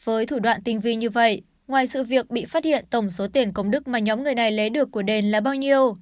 với thủ đoạn tinh vi như vậy ngoài sự việc bị phát hiện tổng số tiền công đức mà nhóm người này lấy được của đền là bao nhiêu